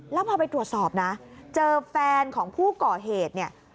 แล้วพอไปตรวจสอบนะเจอแฟนของผู้ก่อเหตุเนี่ย